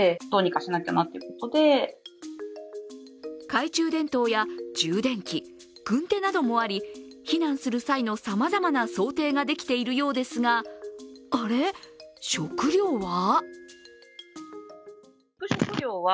懐中電灯や充電器軍手などもあり避難する際のさまざまな想定ができているようですがあれ、食料は？